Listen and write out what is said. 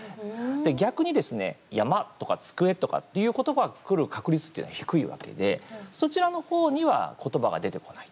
逆にですね「山」とか「机」とかっていう言葉がくる確率っていうのは低いわけでそちらの方には言葉が出てこない。